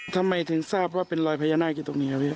ทำไมถึงทราบว่าเป็นรอยพญานาคอยู่ตรงนี้ครับพี่